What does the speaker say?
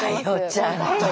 ちゃんと。